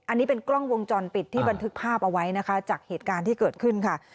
อันนี้เป็นกล้องวงจรปิดที่บันทึกภาพเอาไว้นะคะจากเหตุการณ์ที่เกิดขึ้นค่ะ